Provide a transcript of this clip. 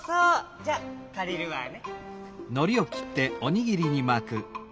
じゃかりるわね。